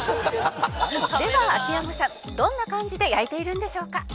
「では秋山さんどんな感じで焼いているんでしょうか？」